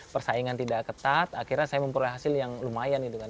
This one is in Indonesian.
persaingan tidak ketat akhirnya saya memperoleh hasil yang lumayan itu kan